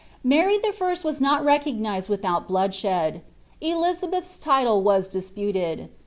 Mary L was not recognised without bloodshed. £lizabeth*s title was disputed.